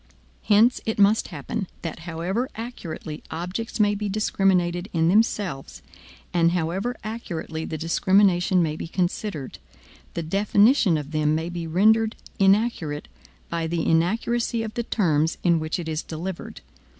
Hence it must happen that however accurately objects may be discriminated in themselves, and however accurately the discrimination may be considered, the definition of them may be rendered inaccurate by the inaccuracy of the terms in which it is delivered.